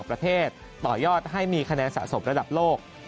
ประเทศต่อยอดให้มีคะแนนสะสมระดับโลก